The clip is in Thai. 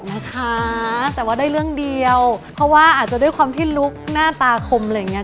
นะคะแต่ว่าได้เรื่องเดียวเพราะว่าอาจจะด้วยความที่ลุกหน้าตาคมอะไรอย่างเงี้